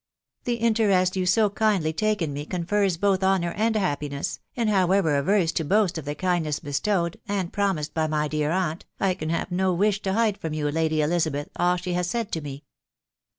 " The interest you so kindly take in me confers! bask honour and happiness, and however averse to boas* of the kindness bestowed, and promised by my dear aunt* I no wish to hide from you, Lady Elisabeth, all she has me.